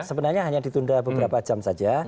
sebenarnya hanya ditunda beberapa jam saja